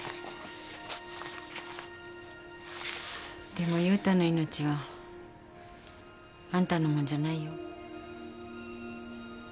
でも悠太の命はあんたのもんじゃないよ。